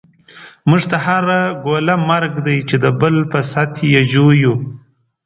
موږ ته هره ګوله مرګ دی، چی دبل په ست یی ژوویو